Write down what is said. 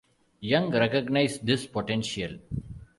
Young recognized this potential.